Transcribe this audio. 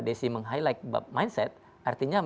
tetapi pengusaha pernah menetap menginginkan arti keuangan